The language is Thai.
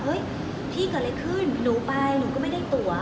พี่เกิดอะไรขึ้นหนูไปหนูก็ไม่ได้ตัว